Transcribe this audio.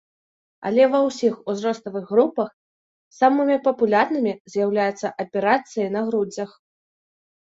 Але ва ўсіх узроставых групах самымі папулярнымі з'яўляюцца аперацыі на грудзях.